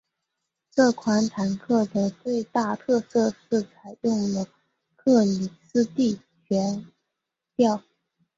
这款坦克的最大特色是采用了克里斯蒂悬吊。